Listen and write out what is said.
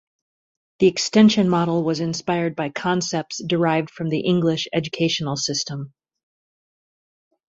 The extension model was inspired by concepts derived from the English educational system.